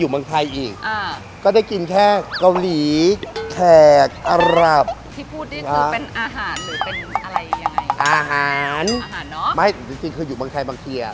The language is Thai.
ไม่จริงคืออยู่บางไทยบางเทีย